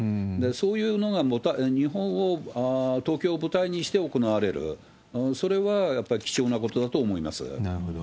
そういうのが日本を、東京を舞台にして行われる、それはやっぱり貴重なことだと思いまなるほど。